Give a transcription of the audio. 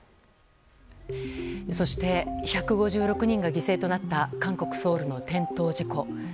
そして１５６人が犠牲となった韓国ソウルの転倒事故。